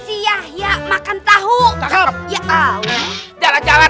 iya pak ustadz